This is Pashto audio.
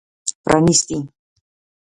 پرانیستي